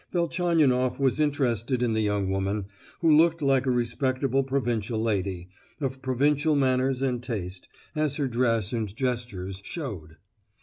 Velchaninoff was interested in the young woman, who looked like a respectable provincial lady—of provincial manners and taste, as her dress and gestures showed.